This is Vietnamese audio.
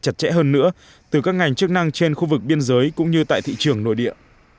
chặt chẽ hơn nữa từ các ngành chức năng trên khu vực biên giới cũng như tại thị trường nội địa